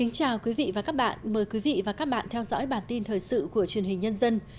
chào mừng quý vị đến với bản tin thời sự của truyền hình nhân dân